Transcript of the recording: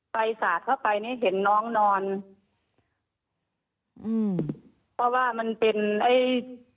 สาดเข้าไปนี่เห็นน้องนอนอืมเพราะว่ามันเป็นไอ้